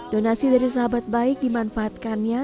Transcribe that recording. donasi dari sahabat baik dimanfaatkannya